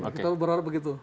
kita berharap begitu